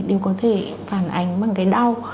đều có thể phản ánh bằng cái đau